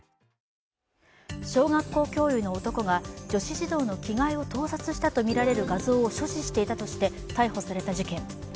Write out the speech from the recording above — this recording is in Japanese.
小学校教諭の男が女子児童の着替えを盗撮したとみられる画像を所持していたとして逮捕された事件。